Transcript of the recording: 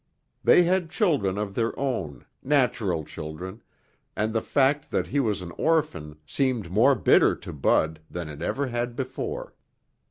They had children of their own, natural children, and the fact that he was an orphan seemed more bitter to Bud than it ever had before.